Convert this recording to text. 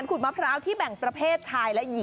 อันนี้คืออะไรอันนี้คือมวยทะเลถูกต้องแล้วนะครับ